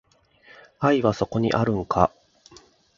愛はそこにあるんか